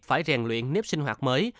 phải rèn luyện nếp sinh hoạt mới